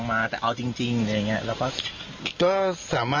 ก็ต้องใจเงินเขา